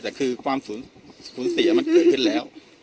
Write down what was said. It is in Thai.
แต่คือความสูญเสียมันเกิดขึ้นแล้ว